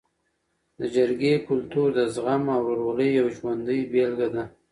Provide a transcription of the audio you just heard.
د جرګې کلتور د زغم او ورورولۍ یو ژوندی بېلګه ده.